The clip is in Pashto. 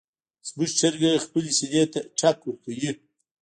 زموږ چرګه خپلې سینې ته ټک ورکوي.